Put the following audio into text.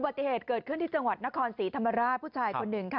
ติเหตุเกิดขึ้นที่จังหวัดนครศรีธรรมราชผู้ชายคนหนึ่งค่ะ